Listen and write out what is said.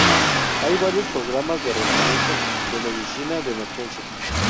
Hay varios programas de residencia de medicina de emergencias.